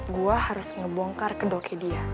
gue harus ngebongkar kedoki dia